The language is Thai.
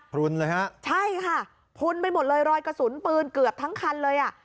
พลุนเลยฮะใช่ค่ะพลุนไปหมดเลยรอยกระสุนปืนเกือบทั้งคันเลยอ่ะ